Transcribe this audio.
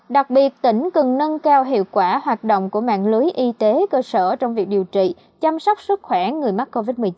đặc biệt tỉnh cần nâng cao hiệu quả hoạt động của mạng lưới y tế cơ sở trong việc điều trị chăm sóc sức khỏe người mắc covid một mươi chín